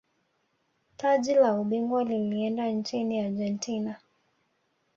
taji la ubingwa lilieenda nchini argentina